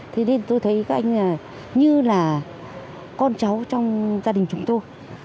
thế nên tôi thấy các anh như là con cháu trong gia đình chúng tôi